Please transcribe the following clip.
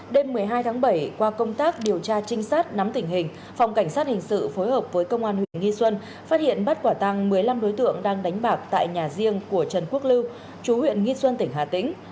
đêm một mươi hai tháng bảy qua công tác điều tra trinh sát nắm tình hình phòng cảnh sát hình sự phối hợp với công an huyện nghi xuân phát hiện bắt quả tăng một mươi năm đối tượng đang đánh bạc tại nhà riêng của trần quốc lưu chú huyện nghi xuân tỉnh hà tĩnh